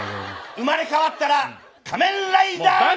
「生まれ変わったら仮面ライダーになりたい！」。